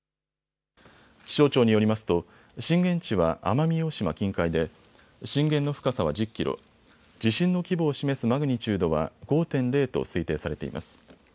気象庁によりますと震源地は奄美大島近海で震源の深さは１０キロ、地震の規模を示すマグニチュードは５．０と推定されています。